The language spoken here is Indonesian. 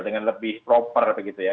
dengan lebih proper begitu ya